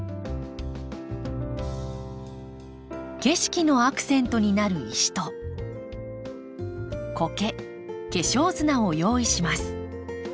景色のアクセントになる石とコケ化粧砂を用意します。